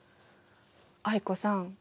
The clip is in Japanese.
藍子さん